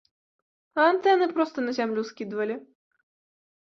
А антэны проста на зямлю скідвалі.